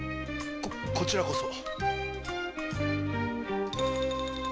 こちらこそ。